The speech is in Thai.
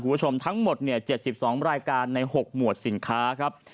คุณผู้ชมทั้งหมด๗๒รายการใน๖หมวดสินค้าครับ